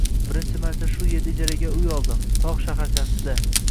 Birinchi marta shu erda ijaraga uy oldim, tog` shaharchasida